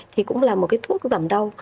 thì cũng là một cái thuốc giảm đau